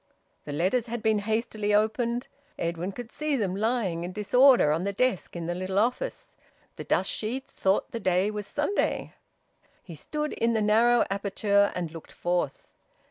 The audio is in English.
The letters had been hastily opened. Edwin could see them lying in disorder on the desk in the little office. The dust sheets thought the day was Sunday. He stood in the narrow aperture and looked forth.